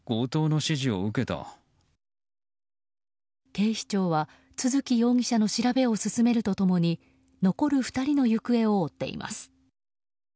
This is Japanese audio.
警視庁は都築容疑者の調べを進めると共に残る２人の行方を追っています。